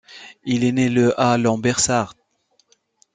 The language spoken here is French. Il est né le à Lambersart.